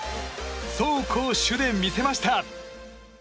走攻守で見せました。